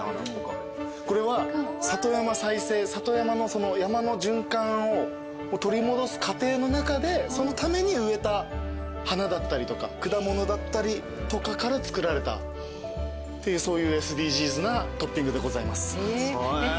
これは里山の循環を取り戻す過程の中でそのために植えた花だったりとか果物だったりとかから作られたそういうＳＤＧｓなトッピングでございます。